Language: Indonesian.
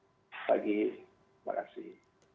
selamat pagi terima kasih